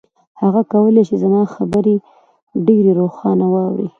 هغه کولای شي زما خبرې ډېرې روښانه واوري.